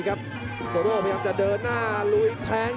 โอ้โหไม่พลาดกับธนาคมโด้แดงเขาสร้างแบบนี้